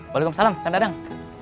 waalaikumsalam kak dadang